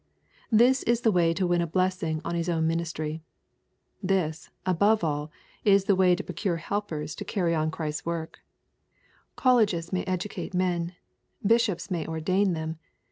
This is the way to win a blessing on his own ministry. This, above all, is the way to procure helpers to carry 15* I f9 346 EXPOSITOBT THOUGHTS. on Christ's work. Colleges may educate men. BisIi « ops may oidain them.